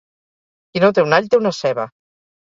Qui no té un all, té una ceba